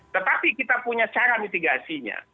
tetapi kita punya cara mitigasinya